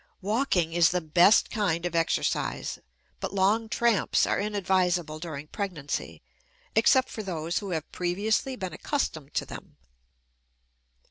Walking is the best kind of exercise, but long tramps are inadvisable during pregnancy, except for those who have previously been accustomed to them.